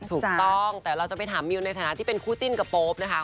ถูกต้องแต่เราจะไปถามมิวในฐานะที่เป็นคู่จิ้นกับโป๊ปนะคะ